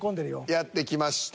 やってきました。